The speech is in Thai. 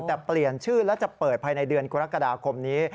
แต่เปลี่ยนชื่อแล้วจะเปิดภายในเดือนกรกฎาคมนี้